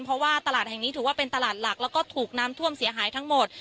เพราะว่าตลาดแห่งนี้ถือว่าเป็นตลาดหลักแล้วก็ถูกน้ำท่วมเสียหายทั้งหมด